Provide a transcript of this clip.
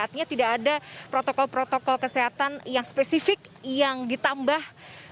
artinya tidak ada protokol protokol kesehatan yang spesifik yang ditambah